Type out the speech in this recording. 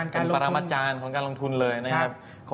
เป็นปรมาจารย์ของการลงทุนเลยนะครับ